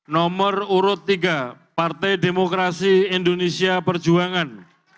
nomor urut tiga partai demokrasi indonesia perjuangan